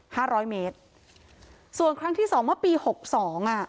ห้าร้อยเมตรส่วนครั้งที่สองเมื่อปีหกสองอ่ะ